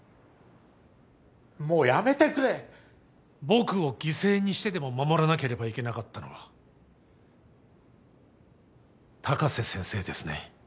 僕を犠牲にしてでも守らなければいけなかったのは高瀬先生ですね？